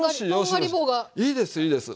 いいですいいです。